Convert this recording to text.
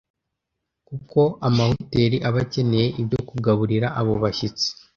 kuko amahoteri aba akeneye ibyo kugaburira abo bashyitsi.